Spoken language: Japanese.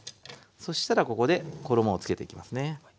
そしたらここで衣をつけていきますね。